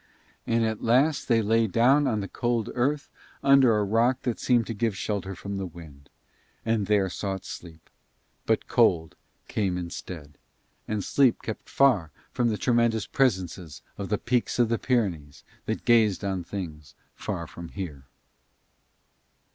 And at last they lay down on the cold earth under a rock that seemed to give shelter from the wind, and there sought sleep; but cold came instead, and sleep kept far from the tremendous presences of the peaks of the Pyrenees that gazed on things far from here.